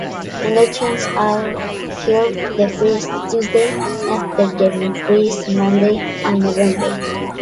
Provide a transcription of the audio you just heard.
Elections are held the first Tuesday after the first Monday in November.